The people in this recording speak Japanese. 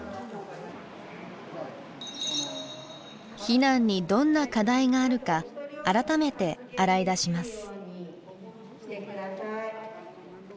避難にどんな課題があるか改めて洗い出します。